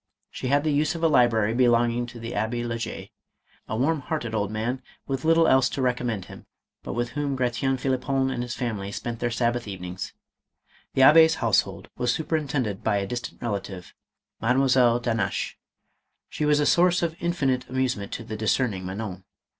She had the use of a library belong ing to the Abbe* le Jay, a warm hearted old man with little else to recommend him, but with whom Gratien Phlippon and his family spent their Sabbath evenings. The Abbd's household was superintended by a distant relative, Mademoiselle d'Hannaches. She was a source of infinite amusement to the discerning Manon.